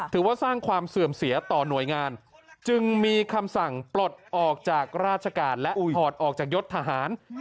ถือว่าสร้างความเสื่อมเสียต่อหน่วยงานจึงมีคำสั่งปลดออกจากราชการและถอดออกจากยศทหาร